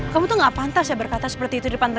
kamu tuh gak pantas ya berkata seperti itu di depan